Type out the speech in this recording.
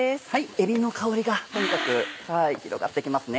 えびの香りがとにかく広がって来ますね。